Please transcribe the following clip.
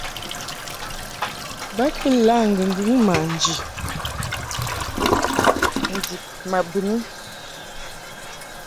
Ba kɨ la ŋgɨŋgɨŋ manji ndib ma bɨni.